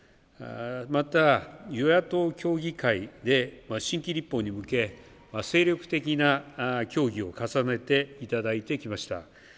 また、与野党協議会で新規立法に向け、精力的な協議を重ねていただいてきました。